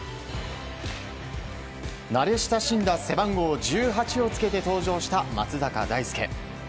慣れ親しんだ背番号１８をつけて登場した松坂大輔。